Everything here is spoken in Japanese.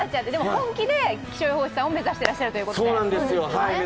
本気で気象予報士を目指していらっしゃるということで。